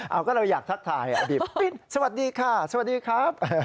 เอาก็เลยอยากทักทายอดีตสวัสดีค่ะสวัสดีครับ